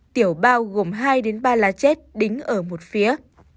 tiểu bao gồm hai ba lá chết đính ở một phía